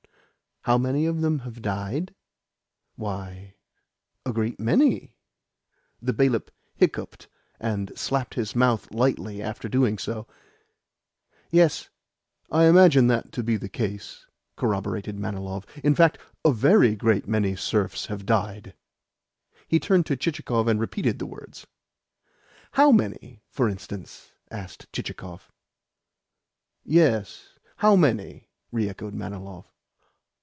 "How many of them have died? Why, a great many." The bailiff hiccoughed, and slapped his mouth lightly after doing so. "Yes, I imagined that to be the case," corroborated Manilov. "In fact, a VERY great many serfs have died." He turned to Chichikov and repeated the words. "How many, for instance?" asked Chichikov. "Yes; how many?" re echoed Manilov.